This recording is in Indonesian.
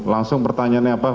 langsung pertanyaannya apa